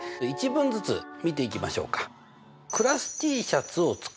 １文ずつ見ていきましょうか。